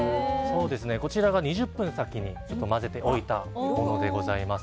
こちらは２０分先に混ぜておいたものです。